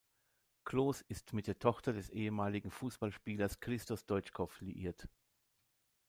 Clos ist mit der Tochter des ehemaligen Fußballspielers Christo Stoitschkow liiert.